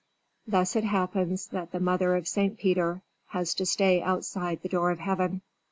Thus it happens that the mother of St. Peter has to stay outside the door of Heaven.